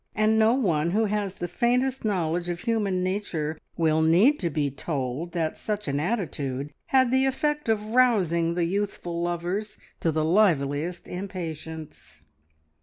And no one who has the faintest knowledge of human nature will need to be told that such an attitude had the effect of rousing the youthful lovers to the liveliest impatience.